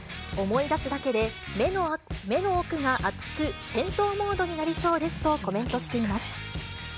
思い出すだけで、目の奥が熱く、戦闘モードになりそうですとコメントしています。